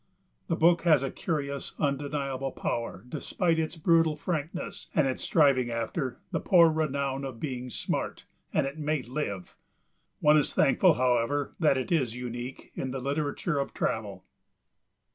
The book has a curious, undeniable power, despite its brutal frankness and its striving after "the poor renown of being smart," and it may live. One is thankful, however, that it is unique in the literature of travel.